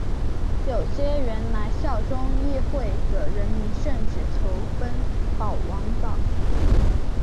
有些原来效忠议会的人民甚至投奔保王党。